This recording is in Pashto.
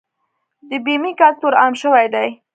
د بیمې کلتور عام شوی دی؟